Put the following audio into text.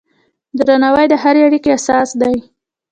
درناوی د هرې اړیکې اساس دی.